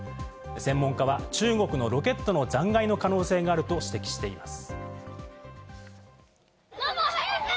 専門家は中国のロケットの残骸の可能性があると指摘しています。